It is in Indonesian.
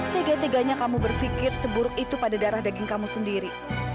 tiga tiganya kamu berpikir seburuk itu pada darah daging kamu sendiri